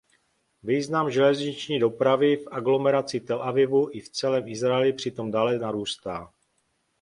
Význam železniční dopravy v aglomeraci Tel Avivu i celém Izraeli přitom dále narůstá.